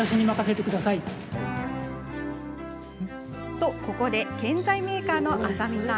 と、ここで建材メーカーの浅見さん。